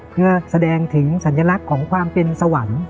เพื่อแสดงถึงสัญลักษณ์ของความเป็นสวรรค์